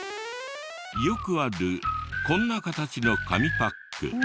よくあるこんな形の紙パック。